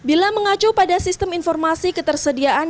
bila mengacu pada sistem informasi ketersediaan